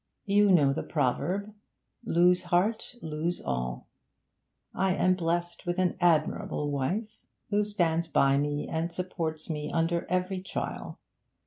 You know the proverb: "Lose heart, lose all." I am blest with an admirable wife, who stands by me and supports me under every trial.